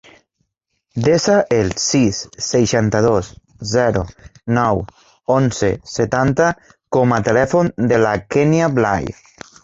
Desa el sis, seixanta-dos, zero, nou, onze, setanta com a telèfon de la Kènia Blay.